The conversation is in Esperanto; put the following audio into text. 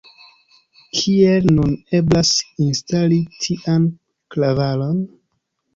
Kiel nun eblas instali tian klavaron?